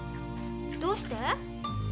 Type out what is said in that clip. どうして？